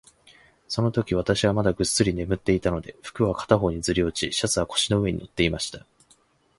そのとき、私はまだぐっすり眠っていたので、服は片方にずり落ち、シャツは腰の上に載っていました。